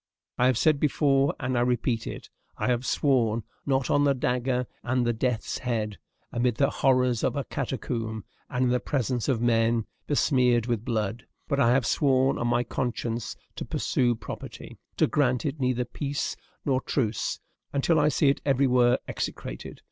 I have said before, and I repeat it, I have sworn, not on the dagger and the death's head, amid the horrors of a catacomb, and in the presence of men besmeared with blood; but I have sworn on my conscience to pursue property, to grant it neither peace nor truce, until I see it everywhere execrated.